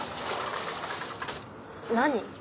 何？